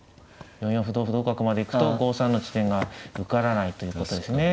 ４四歩同歩同角まで行くと５三の地点が受からないということですね。